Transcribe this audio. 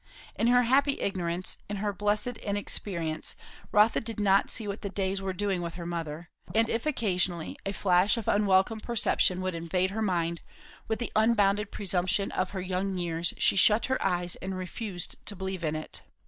In her happy ignorance, in her blessed inexperience, Rotha did not see what the days were doing with her mother; and if occasionally a flash of unwelcome perception would invade her mind, with the unbounded presumption of her young years she shut her eyes and refused to believe in it.